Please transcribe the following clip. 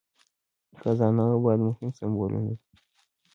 خزانه او باد مهم سمبولونه دي.